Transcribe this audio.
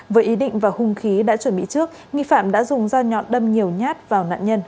với ý định và hung khí đã chuẩn bị trước nghi phạm đã dùng dao nhọn đâm nhiều nhát vào nạn nhân